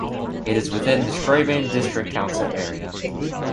It is within the Strabane District Council area.